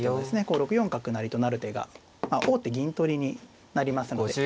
こう６四角成と成る手が王手銀取りになりますので。